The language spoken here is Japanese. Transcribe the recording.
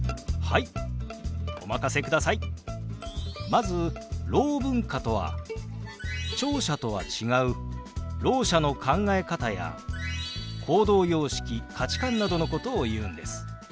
まずろう文化とは聴者とは違うろう者の考え方や行動様式価値観などのことを言うんです。